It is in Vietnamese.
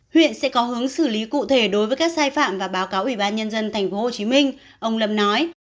huyện sẽ có hướng xử lý cụ thể đối với các sai phạm và báo cáo ủy ban nhân dân tp hcm ông lâm nói